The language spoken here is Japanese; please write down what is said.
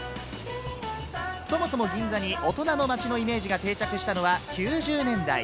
そもそも銀座に大人の街のイメージが定着したのは９０年代。